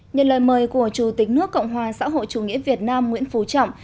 nhân lời mời của chủ tịch nước cộng hòa xã hội chủ nghĩa việt nam nguyễn phú trọng